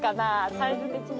サイズ的に。